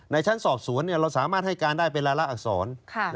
ชั้นสอบสวนเราสามารถให้การได้เป็นรายละอักษร